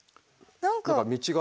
何か人が。